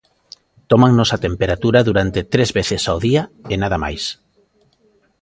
Tómannos a temperatura durante tres veces ao día e nada máis.